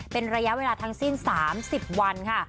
เป็นระยะเวลาทั้งสิ้น๓๐วันค่ะ